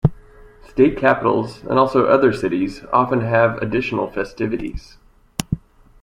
State capitals and also other cities often have additional festivities.